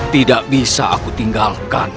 tidak bisa aku tinggalkan